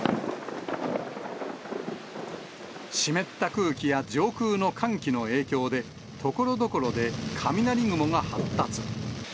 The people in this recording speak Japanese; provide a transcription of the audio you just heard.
湿った空気や上空の寒気の影響で、ところどころで雷雲が発達。